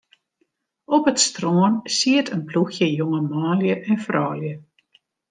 Op it strân siet in ploechje jonge manlju en froulju.